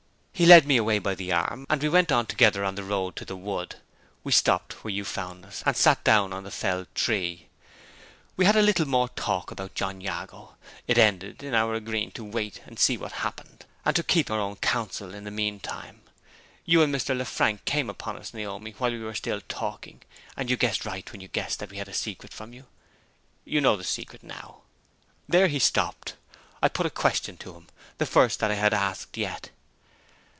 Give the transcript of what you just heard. He led me away by the arm, and we went on together on the road to the wood. We stopped where you found us, and sat down on the felled tree. We had a little more talk about John Jago. It ended in our agreeing to wait and see what happened, and to keep our own counsel in the meantime. You and Mr. Lefrank came upon us, Naomi, while we were still talking; and you guessed right when you guessed that we had a secret from you. You know the secret now." There he stopped. I put a question to him the first that I had asked yet.